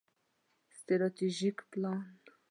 ستراتیژیک پلان